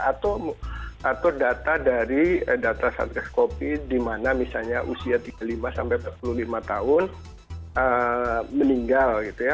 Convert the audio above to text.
atau atur data dari data satgas covid di mana misalnya usia tiga puluh lima sampai empat puluh lima tahun meninggal gitu ya